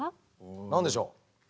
何でしょう？